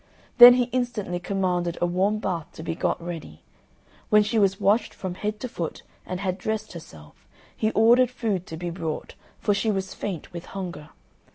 Then he instantly commanded a warm bath to be got ready; when she was washed from head to foot, and had dressed herself, he ordered food to be brought, for she was faint with hunger.